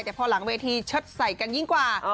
แต่พอหลังเวทีเชิดใส่กันยิ่งกว่า